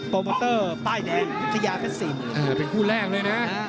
โปรมอตเตอร์ป้ายแดงทะยาแฟสซิมอ่าเป็นคู่แรกเลยน่ะอ่า